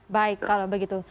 baik kalau begitu